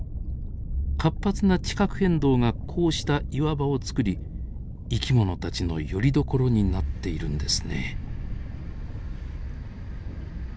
活発な地殻変動がこうした岩場をつくり生き物たちのよりどころになっているんですね。